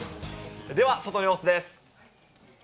では外の様子です。